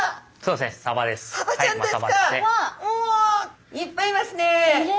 うわいっぱいいますね。